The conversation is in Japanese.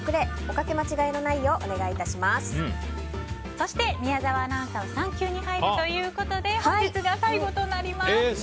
そして、宮澤アナは産休に入るということで本日が最後となります。